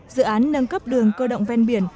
dự án nâng cấp đường cơ động ven biển